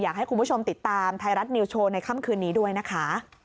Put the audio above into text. อยากให้คุณผู้ชมติดตามไทยรัฐนิวโชว์ในค่ำคืนนี้ด้วยนะคะ